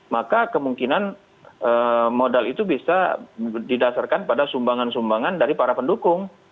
maka kemungkinan modal itu bisa didasarkan pada sumbangan sumbangan dari para pendukung